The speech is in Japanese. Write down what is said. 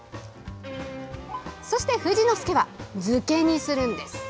そして、富士の介は漬けにするんです。